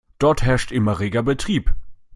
Dort herrscht immer reger Betrieb.